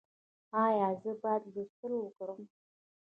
ایا زه باید لوستل وکړم؟